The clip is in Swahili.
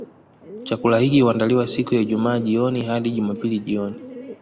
Chakula hiki huandaliwa siku ya Ijumaa jioni hadi Jumapili jioni